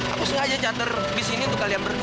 aku sengaja charter disini untuk kalian berdua